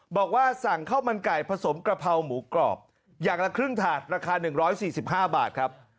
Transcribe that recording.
บอกว่าสั่งข้าวมันไก่ผสมกระเพราหมูกรอบอย่างละครึ่งถาดราคา๑๔๕บาทครับ